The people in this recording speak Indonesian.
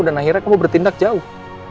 dan akhirnya kamu bertindak jauh